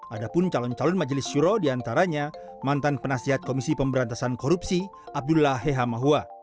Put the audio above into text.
ada pun calon calon majelis syuro diantaranya mantan penasihat komisi pemberantasan korupsi abdullah hehamahua